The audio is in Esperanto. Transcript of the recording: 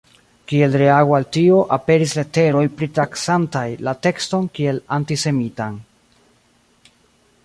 Kiel reago al tio aperis leteroj pritaksantaj la tekston kiel antisemitan.